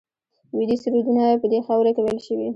ویدي سرودونه په دې خاوره کې ویل شوي